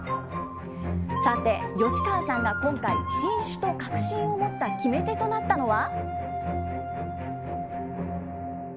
さて、吉川さんが今回、新種と確信を持った決め手となったのは。